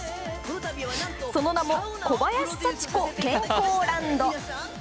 その名も小林幸子健康ランド。